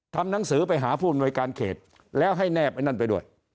ทำหนังสือไปหาผู้อำนวยการเขตแล้วให้แนบไอ้นั่นไปด้วย